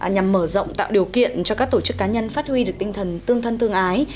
nhằm mở rộng tạo điều kiện cho các tổ chức cá nhân phát huy được tinh thần tương thân tương ái